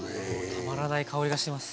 たまらない香りがしてます。